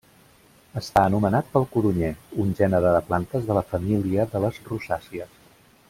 Està anomenat pel codonyer, un gènere de plantes de la família de les rosàcies.